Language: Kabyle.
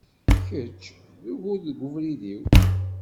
Kečč, d ugur deg ubrid-iw!